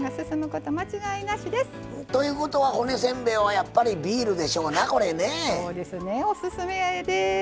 ということは骨せんべいはやっぱりビールでしょうな！